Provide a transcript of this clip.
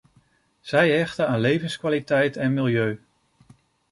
Zij hechten aan levenskwaliteit en milieu.